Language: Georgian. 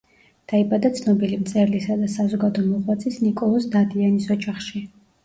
დაიბადა ცნობილი მწერლისა და საზოგადო მოღვაწის ნიკოლოზ დადიანის ოჯახში.